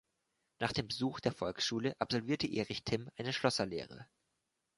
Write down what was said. Nach dem Besuch der Volksschule absolvierte Erich Timm eine Schlosserlehre.